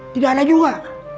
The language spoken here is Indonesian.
tidak ada juga